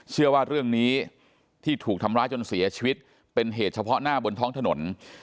เชื่อว่าเรื่องนี้ที่ถูกทำร้ายจนเสียชีวิตเป็นเหตุเฉพาะหน้าบนท้องถนน